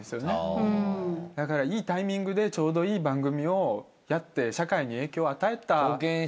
だからいいタイミングでちょうどいい番組をやって社会に影響を与えた気がする。